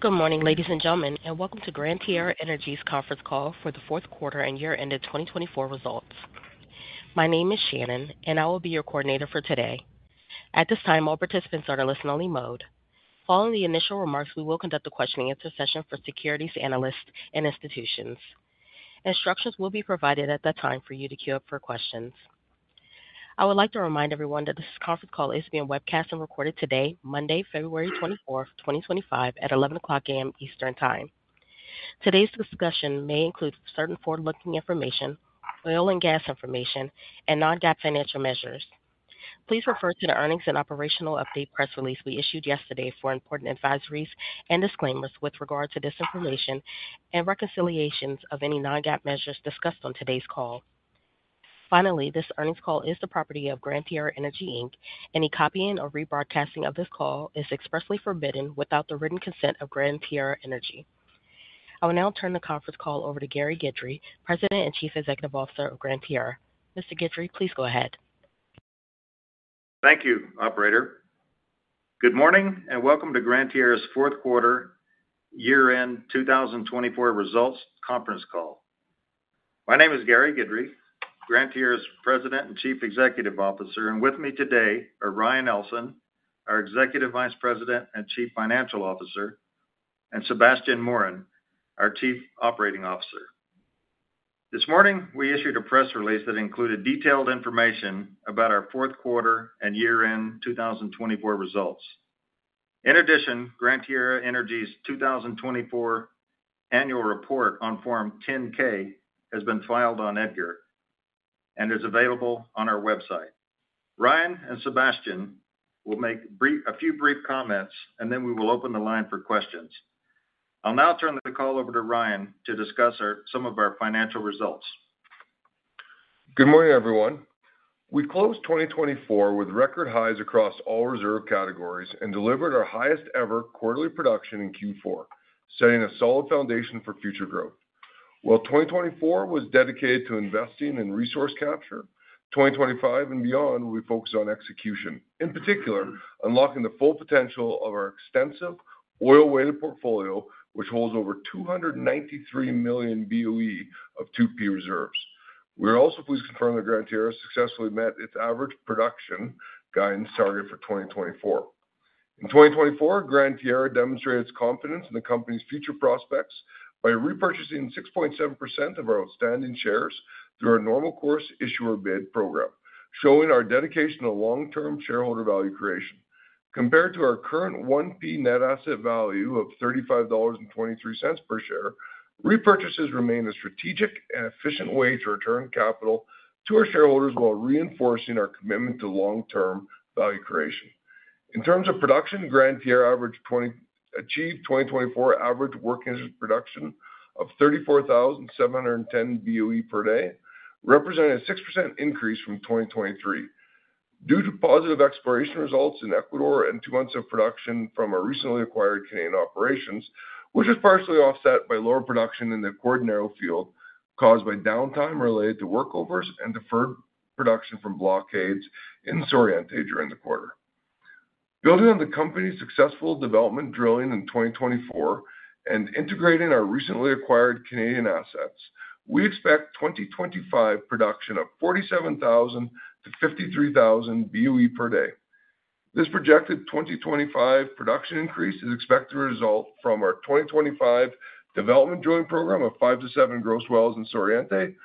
Good morning, ladies and gentlemen, and welcome to Gran Tierra Energy's conference call for the fourth quarter and year-ended 2024 results. My name is Shannon, and I will be your coordinator for today. At this time, all participants are in a listen-only mode. Following the initial remarks, we will conduct a question-and-answer session for Securities Analysts and institutions. Instructions will be provided at that time for you to queue up for questions. I would like to remind everyone that this conference call is being webcast and recorded today, Monday, February 24th, 2025, at 11:00 A.M. Eastern Time. Today's discussion may include certain forward-looking information, oil and gas information, and non-GAAP financial measures. Please refer to the earnings and operational update press release we issued yesterday for important advisories and disclaimers with regard to this information and reconciliations of any non-GAAP measures discussed on today's call. Finally, this earnings call is the property of Gran Tierra Energy. Any copying or rebroadcasting of this call is expressly forbidden without the written consent of Gran Tierra Energy. I will now turn the conference call over to Gary Guidry, President and Chief Executive Officer of Gran Tierra. Mr. Guidry, please go ahead. Thank you, Operator. Good morning and welcome to Gran Tierra's fourth quarter year-end 2024 results conference call. My name is Gary Guidry, Gran Tierra's President and Chief Executive Officer, and with me today are Ryan Ellson, our Executive Vice President and Chief Financial Officer, and Sebastien Morin, our Chief Operating Officer. This morning, we issued a press release that included detailed information about our fourth quarter and year-end 2024 results. In addition, Gran Tierra Energy's 2024 annual report on Form 10-K has been filed on EDGAR and is available on our website. Ryan and Sebastien will make a few brief comments, and then we will open the line for questions. I'll now turn the call over to Ryan to discuss some of our financial results. Good morning, everyone. We closed 2024 with record highs across all reserve categories and delivered our highest-ever quarterly production in Q4, setting a solid foundation for future growth. While 2024 was dedicated to investing and resource capture, 2025 and beyond will be focused on execution, in particular unlocking the full potential of our extensive oil-weighted portfolio, which holds over 293 million BOE of 2P reserves. We are also pleased to confirm that Gran Tierra successfully met its average production guidance target for 2024. In 2024, Gran Tierra demonstrated its confidence in the company's future prospects by repurchasing 6.7% of our outstanding shares through our normal course issuer bid program, showing our dedication to long-term shareholder value creation. Compared to our current 1P net asset value of $35.23 per share, repurchases remain a strategic and efficient way to return capital to our shareholders while reinforcing our commitment to long-term value creation. In terms of production, Gran Tierra achieved 2024 average working-interest production of 34,710 BOE per day, representing a 6% increase from 2023. Due to positive exploration results in Ecuador and two months of production from our recently acquired Canadian operations, which was partially offset by lower production in the Acordionero field caused by downtime related to workovers and deferred production from blockades in Suroriente during the quarter. Building on the company's successful development drilling in 2024 and integrating our recently acquired Canadian assets, we expect 2025 production of 47,000-53,000 BOE per day. This projected 2025 production increase is expected to result from our 2025 development drilling program of five to seven gross wells in Suroriente,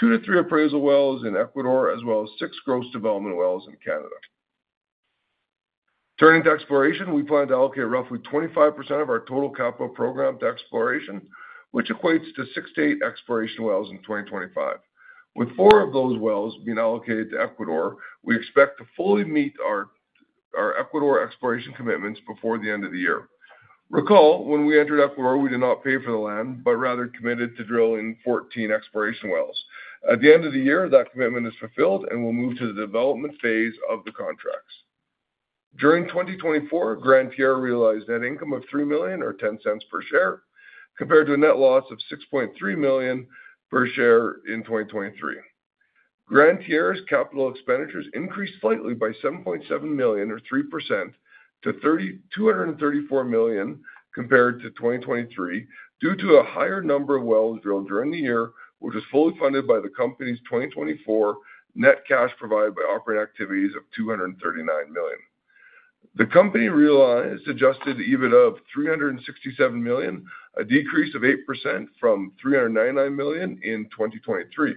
two to three appraisal wells in Ecuador, as well as six gross development wells in Canada. Turning to exploration, we plan to allocate roughly 25% of our total capital program to exploration, which equates to six to eight exploration wells in 2025. With four of those wells being allocated to Ecuador, we expect to fully meet our Ecuador exploration commitments before the end of the year. Recall, when we entered Ecuador, we did not pay for the land, but rather committed to drilling 14 exploration wells. At the end of the year, that commitment is fulfilled, and we'll move to the development phase of the contracts. During 2024, Gran Tierra realized net income of $3 million or $0.010 per share, compared to a net loss of $6.3 million per share in 2023. Gran Tierra's capital expenditures increased slightly by $7.7 million, or 3%, to $234 million compared to 2023, due to a higher number of wells drilled during the year, which was fully funded by the company's 2024 net cash provided by operating activities of $239 million. The company realized adjusted EBITDA of $367 million, a decrease of 8% from $399 million in 2023.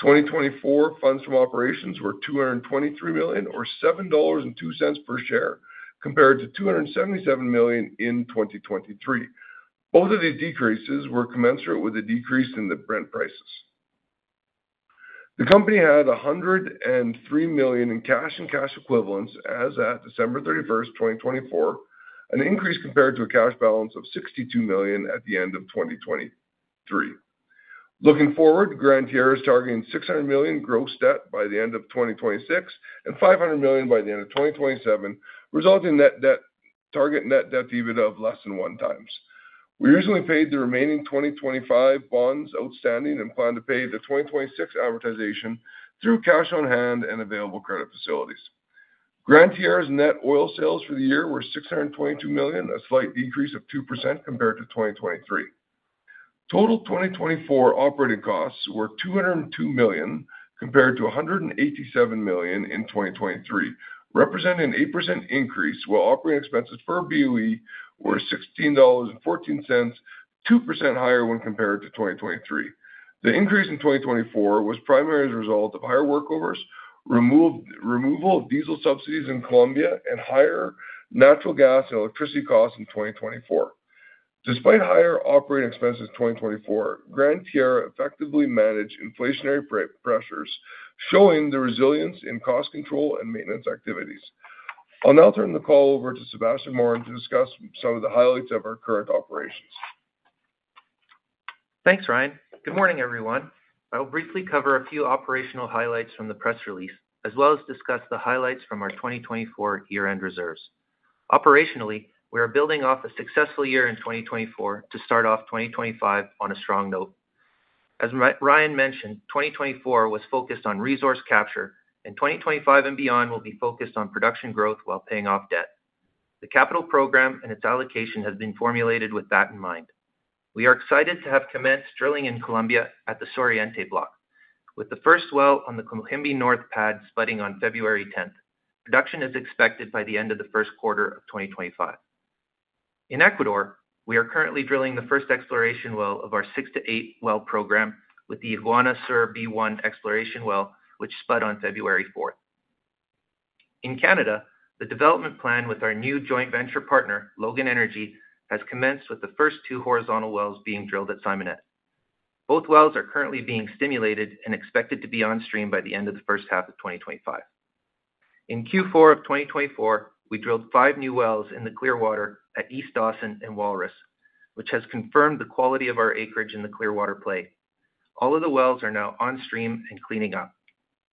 2024 funds from operations were $223 million, or $7.02 per share, compared to $277 million in 2023. Both of these decreases were commensurate with a decrease in the print prices. The company had $103 million in cash and cash equivalents as at December 31st, 2024, an increase compared to a cash balance of $62 million at the end of 2023. Looking forward, Gran Tierra is targeting $600 million gross debt by the end of 2026 and $500 million by the end of 2027, resulting in a target net debt EBITDA of less than one times. We recently paid the remaining 2025 bonds outstanding and plan to pay the 2026 amortization through cash on hand and available credit facilities. Gran Tierra's net oil sales for the year were $622 million, a slight decrease of 2% compared to 2023. Total 2024 operating costs were $202 million, compared to $187 million in 2023, representing an 8% increase, while operating expenses per BOE were $16.14, 2% higher when compared to 2023. The increase in 2024 was primarily as a result of higher workovers, removal of diesel subsidies in Colombia, and higher natural gas and electricity costs in 2024. Despite higher operating expenses in 2024, Gran Tierra effectively managed inflationary pressures, showing the resilience in cost control and maintenance activities. I'll now turn the call over to Sebastien Morin to discuss some of the highlights of our current operations. Thanks, Ryan. Good morning, everyone. I'll briefly cover a few operational highlights from the press release, as well as discuss the highlights from our 2024 year-end reserves. Operationally, we are building off a successful year in 2024 to start off 2025 on a strong note. As Ryan mentioned, 2024 was focused on resource capture, and 2025 and beyond will be focused on production growth while paying off debt. The capital program and its allocation have been formulated with that in mind. We are excited to have commenced drilling in Colombia at the Suroriente Block, with the first well on the Cohembi North pad spudding on February 10th. Production is expected by the end of the first quarter of 2025. In Ecuador, we are currently drilling the first exploration well of our six to eight well program with the Iguana SUR-B1 exploration well, which spud on February 4th. In Canada, the development plan with our new joint venture partner, Logan Energy, has commenced with the first two horizontal wells being drilled at Simonette. Both wells are currently being stimulated and expected to be on stream by the end of the first half of 2025. In Q4 of 2024, we drilled five new wells in the Clearwater at East Dawson and Walrus, which has confirmed the quality of our acreage in the Clearwater play. All of the wells are now on stream and cleaning up.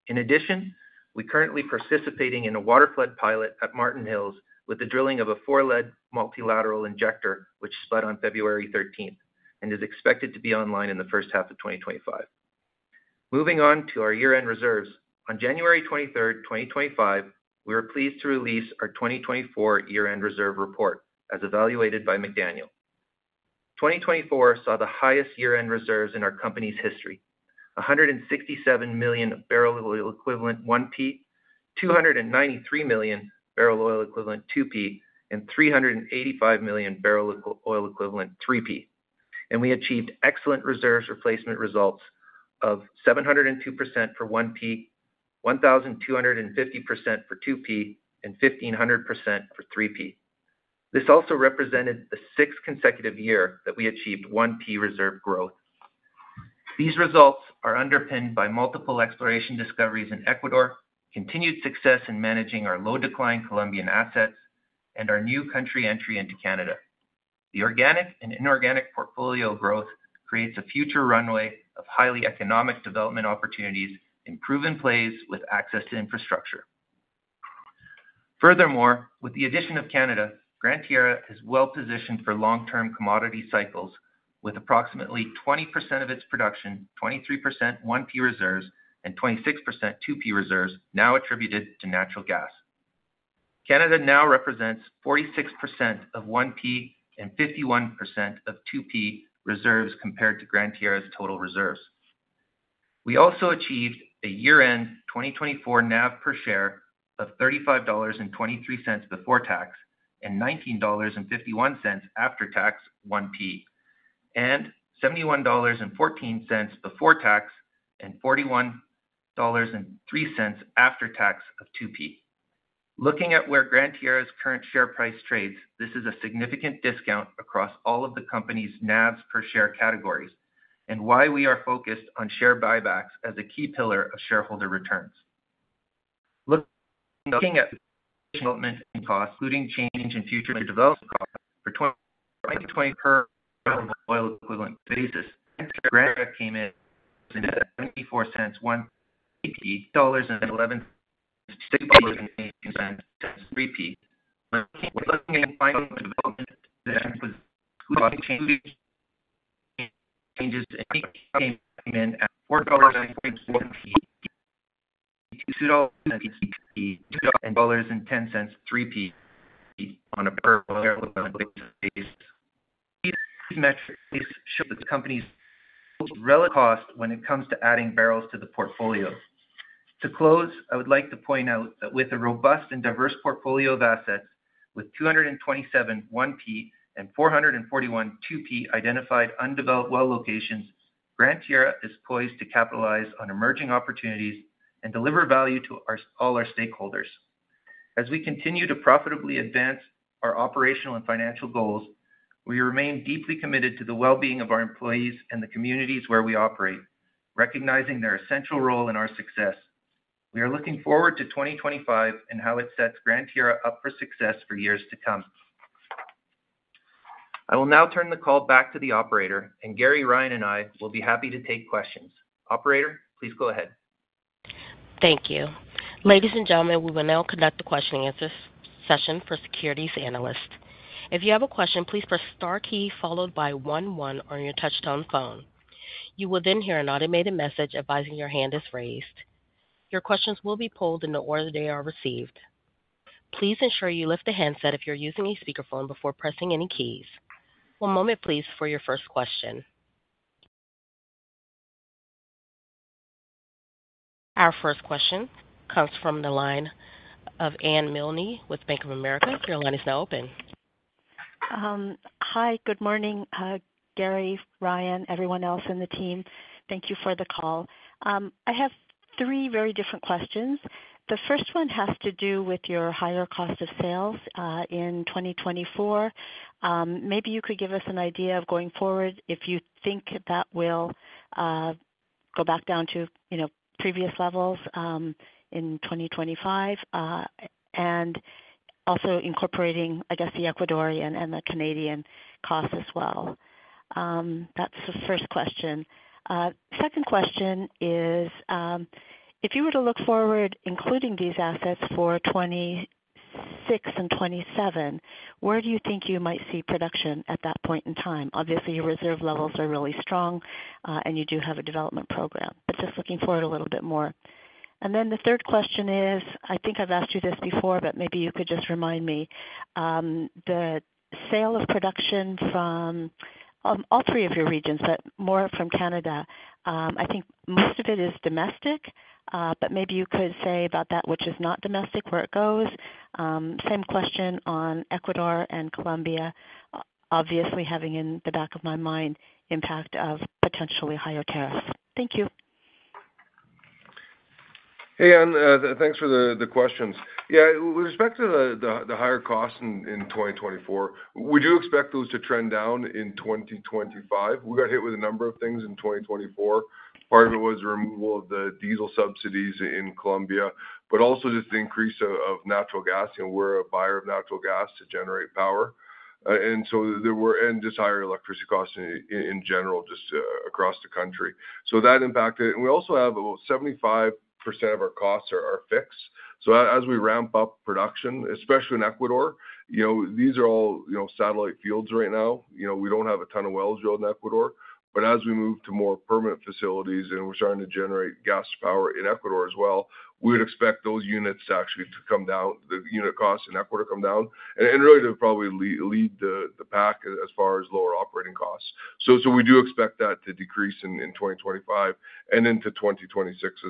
In addition, we are currently participating in a waterflood pilot at Marten Hills with the drilling of a four-leg multilateral injector, which spud on February 13th and is expected to be online in the first half of 2025. Moving on to our year-end reserves, on January 23rd, 2025, we were pleased to release our 2024 year-end reserve report as evaluated by McDaniel. 2024 saw the highest year-end reserves in our company's history: 167 million barrel oil equivalent 1P, 293 million barrel oil equivalent 2P, and 385 million barrel oil equivalent 3P. We achieved excellent reserves replacement results of 702% for 1P, 1,250% for 2P, and 1,500% for 3P. This also represented the sixth consecutive year that we achieved 1P reserve growth. These results are underpinned by multiple exploration discoveries in Ecuador, continued success in managing our low-decline Colombian assets, and our new country entry into Canada. The organic and inorganic portfolio growth creates a future runway of highly economic development opportunities and proven plays with access to infrastructure. Furthermore, with the addition of Canada, Gran Tierra is well-positioned for long-term commodity cycles, with approximately 20% of its production, 23% 1P reserves, and 26% 2P reserves now attributed to natural gas. Canada now represents 46% of 1P and 51% of 2P reserves compared to Gran Tierra's total reserves. We also achieved a year-end 2024 NAV per share of $35.23 before tax and $19.51 after tax 1P, and $71.14 before tax and $41.03 after tax of 2P. Looking at where Gran Tierra's current share price trades, this is a significant discount across all of the company's NAVs per share categories and why we are focused on share buybacks as a key pillar of shareholder returns. Looking at additional maintenance costs, including change in future development costs for 2024 on a barrel oil equivalent basis, Gran Tierra came in at $0.74, $8.11, $6.18 and 3P. Looking at final development, there was changes in came in at $4.44, $2.10, and 3P on a barrel oil equivalent basis. These metrics show that the company's relative cost when it comes to adding barrels to the portfolio. To close, I would like to point out that with a robust and diverse portfolio of assets, with 227 1P and 441 2P identified undeveloped well locations, Gran Tierra is poised to capitalize on emerging opportunities and deliver value to all our stakeholders. As we continue to profitably advance our operational and financial goals, we remain deeply committed to the well-being of our employees and the communities where we operate, recognizing their essential role in our success. We are looking forward to 2025 and how it sets Gran Tierra up for success for years to come. I will now turn the call back to the operator, and Gary, Ryan, and I will be happy to take questions. Operator, please go ahead. Thank you. Ladies and gentlemen, we will now conduct the question and answer session for securities analysts. If you have a question, please press the star key followed by one one on your touch-tone phone. You will then hear an automated message advising your hand is raised. Your questions will be polled in the order they are received. Please ensure you lift the handset if you're using a speakerphone before pressing any keys. One moment, please, for your first question. Our first question comes from the line of Anne Milne with Bank of America. Your line is now open. Hi, good morning, Gary, Ryan, everyone else in the team. Thank you for the call. I have three very different questions. The first one has to do with your higher cost of sales in 2024. Maybe you could give us an idea of going forward if you think that will go back down to previous levels in 2025 and also incorporating, I guess, the Ecuadorian and the Canadian cost as well. That's the first question. Second question is, if you were to look forward, including these assets for 2026 and 2027, where do you think you might see production at that point in time? Obviously, your reserve levels are really strong, and you do have a development program, but just looking forward a little bit more. The third question is, I think I've asked you this before, but maybe you could just remind me, the sale of production from all three of your regions, but more from Canada. I think most of it is domestic, but maybe you could say about that which is not domestic, where it goes. Same question on Ecuador and Colombia, obviously having in the back of my mind impact of potentially higher tariffs. Thank you. Hey, Anne, thanks for the questions. Yeah, with respect to the higher costs in 2024, would you expect those to trend down in 2025? We got hit with a number of things in 2024. Part of it was the removal of the diesel subsidies in Colombia, but also just the increase of natural gas. We're a buyer of natural gas to generate power. There were just higher electricity costs in general just across the country. That impacted. We also have about 75% of our costs are fixed. As we ramp up production, especially in Ecuador, these are all satellite fields right now. We don't have a ton of wells drilled in Ecuador, but as we move to more permanent facilities and we're starting to generate gas power in Ecuador as well, we would expect those units to actually come down, the unit costs in Ecuador to come down, and really to probably lead the pack as far as lower operating costs. We do expect that to decrease in 2025 and into 2026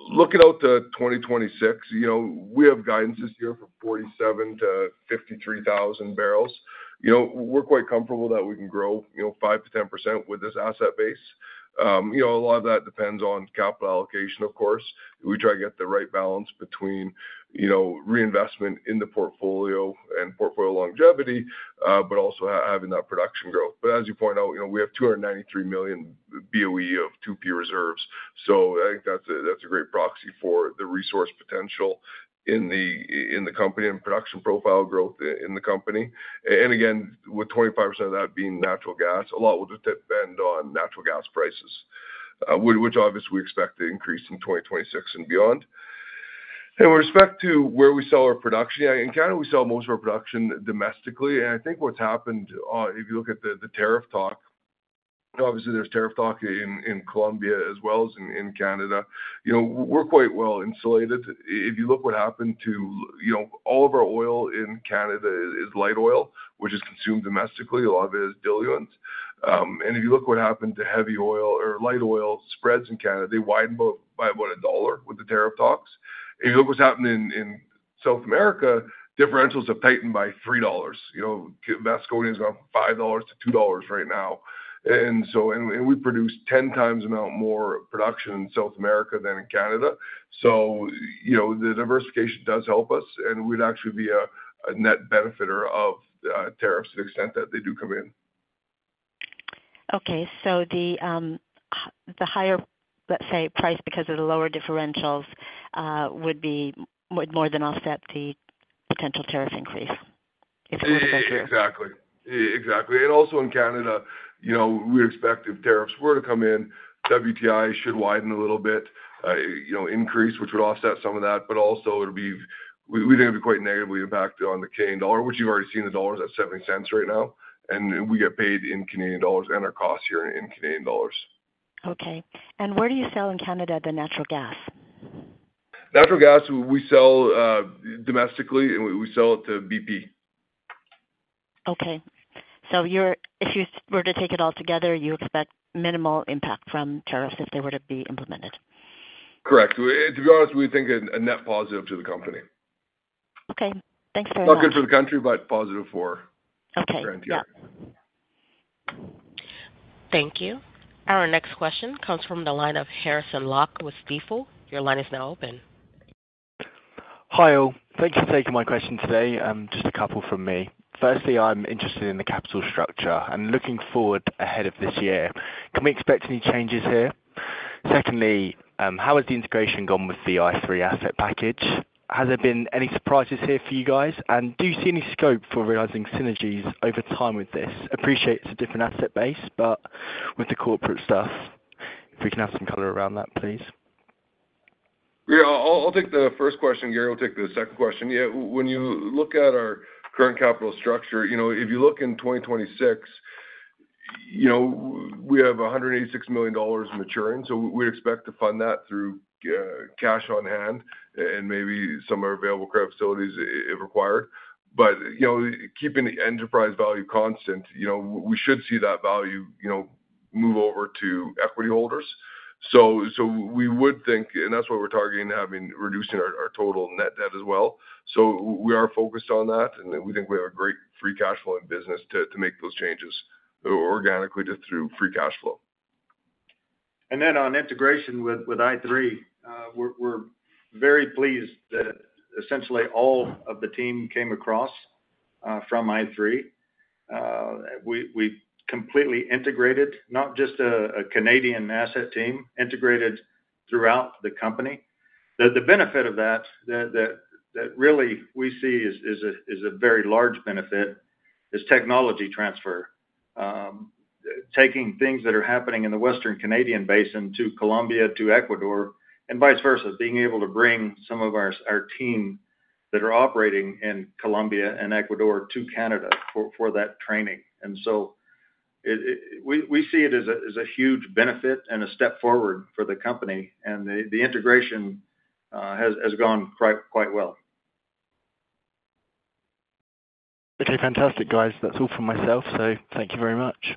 as well. Looking out to 2026, we have guidance this year for 47,000-53,000 barrels. We're quite comfortable that we can grow 5%-10% with this asset base. A lot of that depends on capital allocation, of course. We try to get the right balance between reinvestment in the portfolio and portfolio longevity, but also having that production growth. As you point out, we have $293 million BOE of 2P reserves. I think that's a great proxy for the resource potential in the company and production profile growth in the company. Again, with 25% of that being natural gas, a lot will just depend on natural gas prices, which obviously we expect to increase in 2026 and beyond. With respect to where we sell our production, in Canada, we sell most of our production domestically. I think what's happened, if you look at the tariff talk, obviously there's tariff talk in Colombia as well as in Canada. We're quite well insulated. If you look at what happened to all of our oil in Canada, it is light oil, which is consumed domestically. A lot of it is diluent. If you look at what happened to heavy oil or light oil spreads in Canada, they widen by about $1 with the tariff talks. If you look at what's happened in South America, differentials have tightened by $3. Vasconia has gone from $5-$2 right now. We produce 10 times the amount more production in South America than in Canada. The diversification does help us, and we'd actually be a net benefitor of tariffs to the extent that they do come in. Okay. The higher, let's say, price because of the lower differentials would more than offset the potential tariff increase. Exactly. Exactly. Also in Canada, we expect if tariffs were to come in, WTI should widen a little bit, increase, which would offset some of that. We think it would be quite negatively impacted on the Canadian dollar, which you've already seen. The dollar is at $0.70 right now. We get paid in Canadian dollars and our costs here are in Canadian dollars. Okay. Where do you sell in Canada the natural gas? Natural gas, we sell domestically, and we sell it to BP. Okay. If you were to take it all together, you expect minimal impact from tariffs if they were to be implemented. Correct. To be honest, we think a net positive to the company. Okay. Thanks very much. Not good for the country, but positive for Gran Tierra. Thank you. Our next question comes from the line of Harrison Lock with Stifel. Your line is now open. Hi. Thank you for taking my question today. Just a couple from me. Firstly, I'm interested in the capital structure and looking forward ahead of this year. Can we expect any changes here? Secondly, how has the integration gone with the i3 Asset package? Has there been any surprises here for you guys? Do you see any scope for realizing synergies over time with this? Appreciate it's a different asset base, but with the corporate stuff, if we can have some color around that, please. Yeah. I'll take the first question. Gary will take the second question. Yeah. When you look at our current capital structure, if you look in 2026, we have $186 million maturing. We expect to fund that through cash on hand and maybe some of our available credit facilities if required. Keeping the enterprise value constant, we should see that value move over to equity holders. We would think, and that's what we're targeting, reducing our total net debt as well. We are focused on that, and we think we have a great free cash flow in business to make those changes organically just through free cash flow. On integration with i3, we're very pleased that essentially all of the team came across from i3. We completely integrated, not just a Canadian asset team, integrated throughout the company. The benefit of that, that really we see is a very large benefit, is technology transfer, taking things that are happening in the Western Canadian Sedimentary Basin to Colombia, to Ecuador, and vice versa, being able to bring some of our team that are operating in Colombia and Ecuador to Canada for that training. We see it as a huge benefit and a step forward for the company. The integration has gone quite well. Okay. Fantastic, guys. That's all from myself. Thank you very much.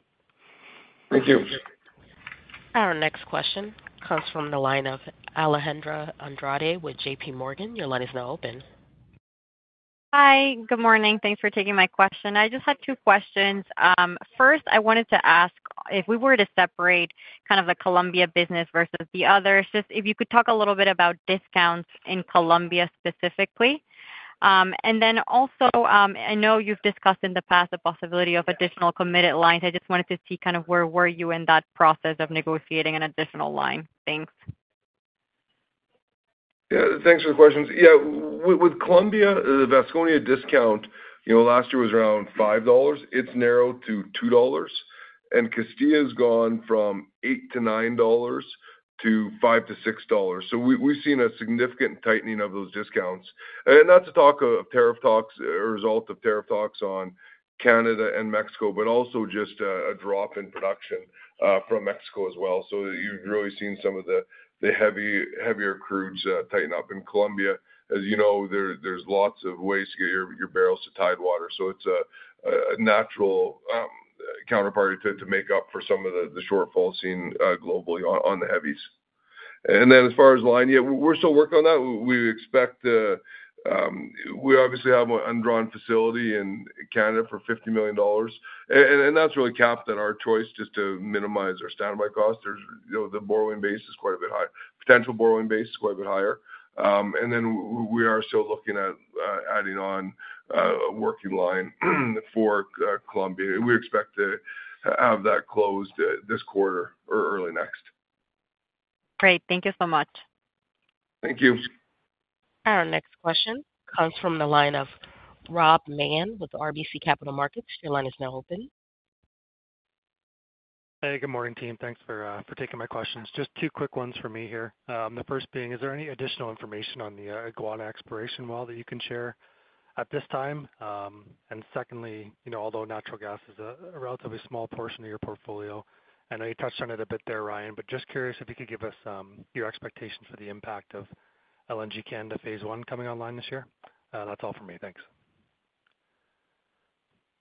Thank you. Our next question comes from the line of Alejandra Andrade with J.P. Morgan. Your line is now open. Hi. Good morning. Thanks for taking my question. I just had two questions. First, I wanted to ask if we were to separate kind of the Colombia business versus the others, if you could talk a little bit about discounts in Colombia specifically. Also, I know you've discussed in the past the possibility of additional committed lines. I just wanted to see kind of where were you in that process of negotiating an additional line. Thanks. Yeah. Thanks for the questions. Yeah. With Colombia, the Vasconia discount last year was around $5. It's narrowed to $2. And Castilla has gone from $8-$9 to $5-$6. We've seen a significant tightening of those discounts. Not to talk of tariff talks, a result of tariff talks on Canada and Mexico, but also just a drop in production from Mexico as well. You've really seen some of the heavier crudes tighten up. In Colombia, as you know, there are lots of ways to get your barrels to tide water. It's a natural counterparty to make up for some of the shortfall seen globally on the heavies. As far as line, yeah, we're still working on that. We obviously have an undrawn facility in Canada for $50 million. That's really capped at our choice just to minimize our standby costs. The borrowing base is quite a bit higher. Potential borrowing base is quite a bit higher. We are still looking at adding on a working line for Colombia. We expect to have that closed this quarter or early next. Great. Thank you so much. Thank you. Our next question comes from the line of Rob Mann with RBC Capital Markets. Your line is now open. Hey, good morning, team. Thanks for taking my questions. Just two quick ones for me here. The first being, is there any additional information on the Iguana SUR exploration well that you can share at this time? Secondly, although natural gas is a relatively small portion of your portfolio, I know you touched on it a bit there, Ryan, but just curious if you could give us your expectations for the impact of LNG Canada phase one coming online this year. That's all for me. Thanks.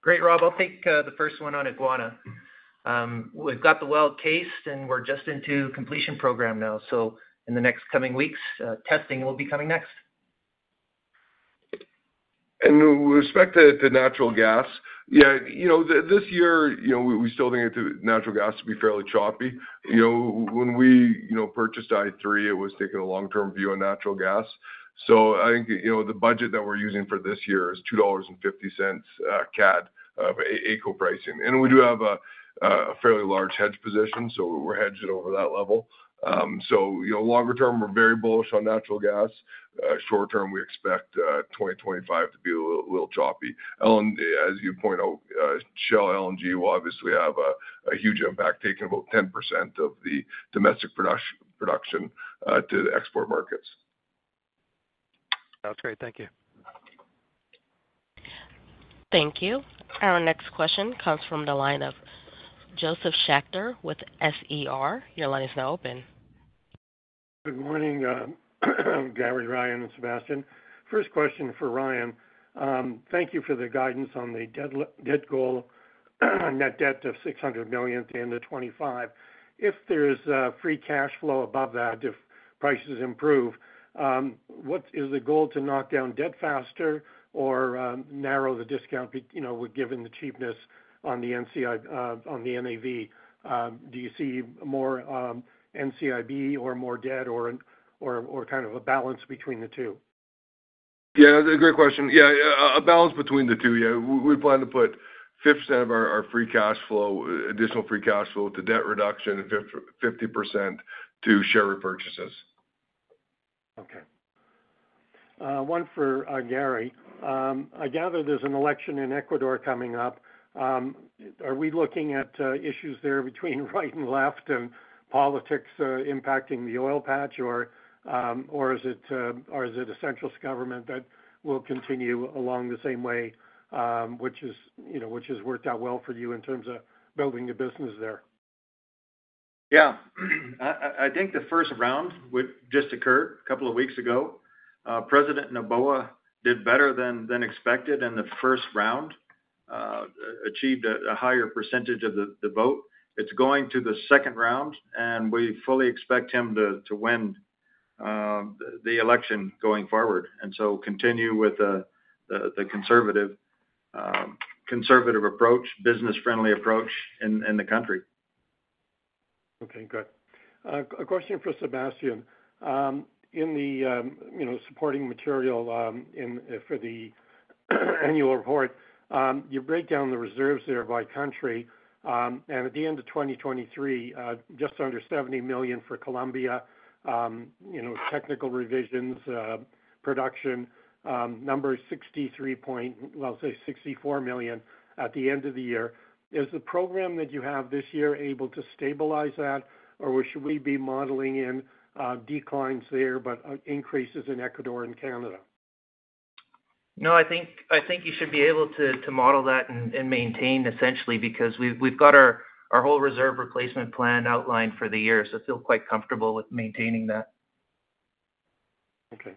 Great, Rob. I'll take the first one on Iguana. We've got the well cased, and we're just into completion program now. In the next coming weeks, testing will be coming next. With respect to natural gas, yeah, this year, we still think natural gas to be fairly choppy. When we purchased i3, it was taking a long-term view on natural gas. I think the budget that we're using for this year is 2.50 CAD of AECO pricing. We do have a fairly large hedge position, so we're hedged over that level. Longer term, we're very bullish on natural gas. Short term, we expect 2025 to be a little choppy. As you point out, Shell LNG will obviously have a huge impact, taking about 10% of the domestic production to the export markets. That's great. Thank you. Thank you. Our next question comes from the line of Josef Schachter with SER. Your line is now open. Good morning, Gary, Ryan, and Sebastien. First question for Ryan. Thank you for the guidance on the net debt goal, net debt of $600 million at the end of 2025. If there is free cash flow above that, if prices improve, what is the goal to knock down debt faster or narrow the discount given the cheapness on the NAV? Do you see more NCIB or more debt or kind of a balance between the two? Yeah. That's a great question. Yeah. A balance between the two. Yeah. We plan to put 50% of our free cash flow, additional free cash flow to debt reduction and 50% to share repurchases. Okay. One for Gary. I gather there's an election in Ecuador coming up. Are we looking at issues there between right and left and politics impacting the oil patch, or is it a central government that will continue along the same way, which has worked out well for you in terms of building the business there? Yeah. I think the first round just occurred a couple of weeks ago. President Noboa did better than expected in the first round, achieved a higher percentage of the vote. It is going to the second round, and we fully expect him to win the election going forward. Continue with the conservative approach, business-friendly approach in the country. Okay. Good. A question for Sebastien. In the supporting material for the annual report, you break down the reserves there by country. And at the end of 2023, just under $70 million for Colombia, technical revisions, production, number 63 point, well, I'll say $64 million at the end of the year. Is the program that you have this year able to stabilize that, or should we be modeling in declines there, but increases in Ecuador and Canada? No, I think you should be able to model that and maintain essentially because we've got our whole reserve replacement plan outlined for the year. I feel quite comfortable with maintaining that. Okay.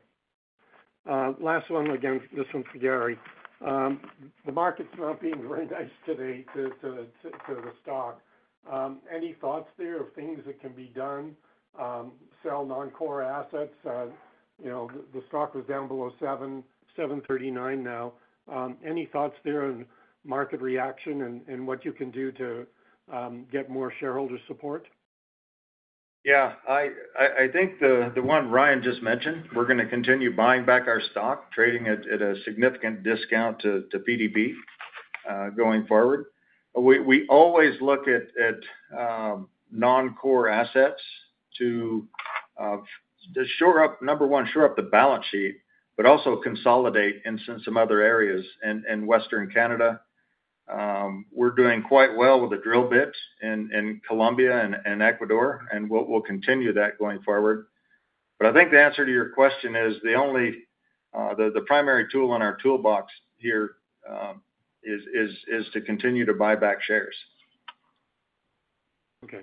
Last one, again, this one for Gary. The market's not being very nice today to the stock. Any thoughts there of things that can be done, sell non-core assets? The stock was down below $7, $7.39 now. Any thoughts there on market reaction and what you can do to get more shareholder support? Yeah. I think the one Ryan just mentioned, we're going to continue buying back our stock, trading at a significant discount to PDP going forward. We always look at non-core assets to, number one, shore up the balance sheet, but also consolidate in some other areas in Western Canada. We're doing quite well with the drill bits in Colombia and Ecuador, and we'll continue that going forward. I think the answer to your question is the only primary tool in our toolbox here is to continue to buy back shares. Okay.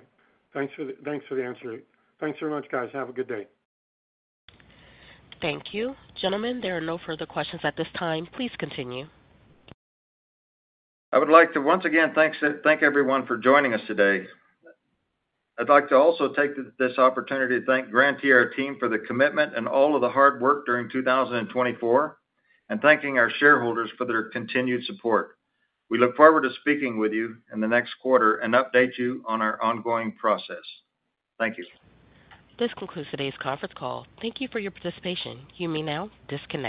Thanks for the answer. Thanks very much, guys. Have a good day. Thank you. Gentlemen, there are no further questions at this time. Please continue. I would like to once again thank everyone for joining us today. I'd like to also take this opportunity to thank the Gran Tierra team for the commitment and all of the hard work during 2024, and thank our shareholders for their continued support. We look forward to speaking with you in the next quarter and updating you on our ongoing process. Thank you. This concludes today's conference call. Thank you for your participation. You may now disconnect.